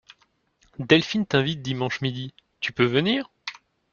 Delphine t’invite dimanche midi, tu peux venir?